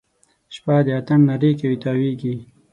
شپه د اتڼ نارې کوي تاویږي